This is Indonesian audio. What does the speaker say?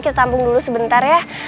kita tampung dulu sebentar ya